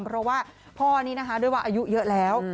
เพราะว่าพ่อนี้นะคะด้วยว่าอายุเยอะแล้ว